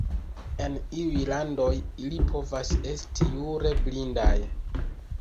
En iuj landoj ili povas esti jure blindaj.